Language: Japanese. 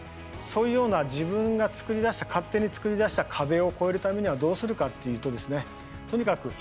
そういうような自分が作り出した勝手に作り出した壁を越えるためにはどうするかっていうとですねとにかく一歩踏み出すということです。